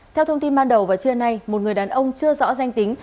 theo thông tin ban đầu vào trưa nay một người đàn ông chưa rõ danh tính